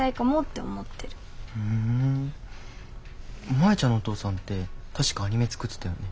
マヤちゃんのお父さんって確かアニメ作ってたよね？